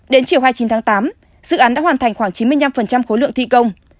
đến chiều hai mươi chín tháng tám dự án đã hoàn thành khoảng chín mươi năm khối lượng thi công